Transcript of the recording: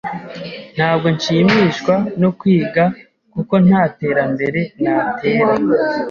Ntabwo nshimishwa no kwiga kuko nta terambere natera.